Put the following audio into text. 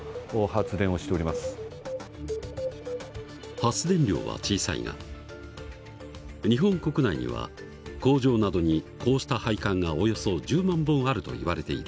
発電量は小さいが日本国内には工場などにこうした配管がおよそ１０万本あるといわれている。